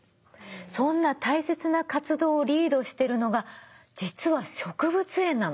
そんな大切な活動をリードしてるのが実は植物園なの。